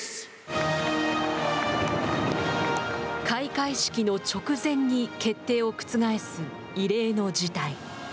開会式の直前に決定を覆す異例の事態。